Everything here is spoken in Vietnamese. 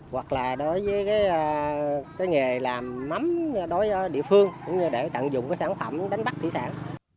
hoặc là đối với cái nghề làm mắm đối với địa phương cũng như để tận dụng cái sản phẩm đánh bắt thủy sản